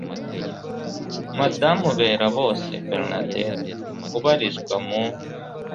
madamu berabose bernadette ubarizwa mu